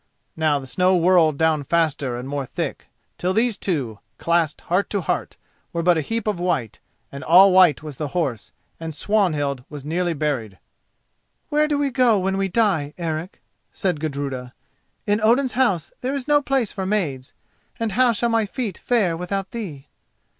Now the snow whirled down faster and more thick, till these two, clasped heart to heart, were but a heap of white, and all white was the horse, and Swanhild was nearly buried. "Where go we when we die, Eric?" said Gudruda; "in Odin's house there is no place for maids, and how shall my feet fare without thee?"